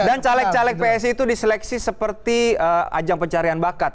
dan caleg caleg psi itu diseleksi seperti ajang pencarian bakat